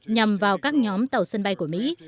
nhằm vào các nhóm tàu sân bay của mỹ